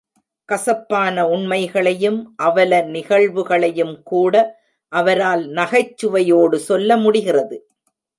கசப்பான உண்மைகளையும் அவலநிகழ்வுகளையுங்கூட அவரால் நகைச்சுவையோடு சொல்ல முடிகிறது.